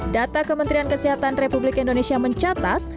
data kementerian kesehatan republik indonesia mencatat